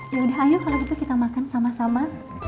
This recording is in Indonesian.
yaudah ayo kalau gitu kita makan sama sama